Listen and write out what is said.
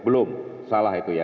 belum salah itu ya